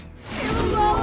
ibu bangun bu